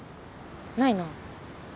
ないな。